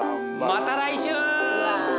また来週！